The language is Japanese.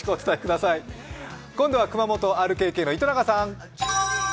今度は熊本、ＲＫＫの糸永さん。